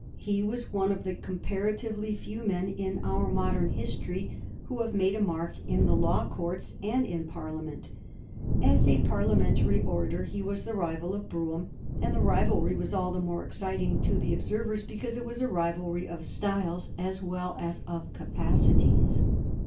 He was one of the comparatively few men in our modern history who have made a mark in the Law Courts and in Parliament. As a Parliamentary orator he was the rival of Brougham, and the rivalry was all the more exciting to the observers because it was a rivalry of styles as well as of capacities.